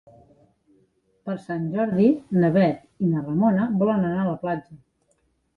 Per Sant Jordi na Bet i na Ramona volen anar a la platja.